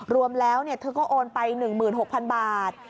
รวมแล้วเธอก็โอนไป๑๖๐๐๐บาท